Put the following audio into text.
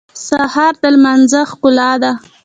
سهار د لمونځ ښکلا ده.